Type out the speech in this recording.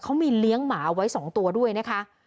เขามีเลี้ยงหมาไว้๒ตัวด้วยนะคะ